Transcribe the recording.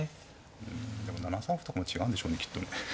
うんでも７三歩とかも違うんでしょうねきっとね。